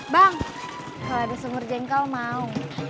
bang kalau ada sumber jengkal mau